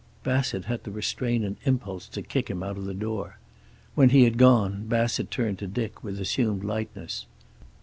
Bassett had to restrain an impulse to kick him out of the door. When he had gone Bassett turned to Dick with assumed lightness.